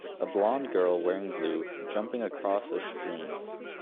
A blond girl wearing blue jumping across a stream